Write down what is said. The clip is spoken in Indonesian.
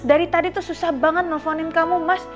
dari tadi tuh susah banget nelfonin kamu mas